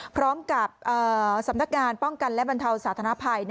สำนักงานป้องกันและบรรเทาสาธารณภัย